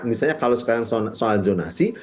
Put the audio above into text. misalnya kalau sekarang soal zonasi